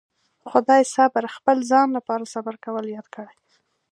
خدای صبر خپل ځان لپاره صبر کول ياد کړي.